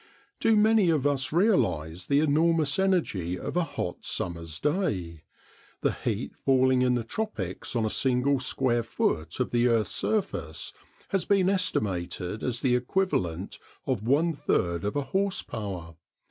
Do many of us realise the enormous energy of a hot summer's day? The heat falling in the tropics on a single square foot of the earth's surface has been estimated as the equivalent of one third of a horse power.